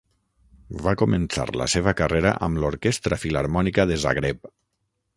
Va començar la seva carrera amb l'Orquestra Filharmònica de Zagreb.